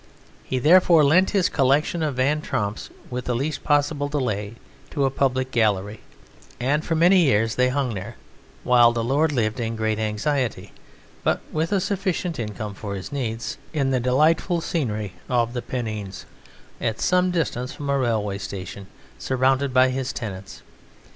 He therefore lent his collection of Van Tromps with the least possible delay to a public gallery, and for many years they hung there, while the lord lived in great anxiety, but with a sufficient income for his needs in the delightful scenery of the Pennines at some distance from a railway station, surrounded by his tenants.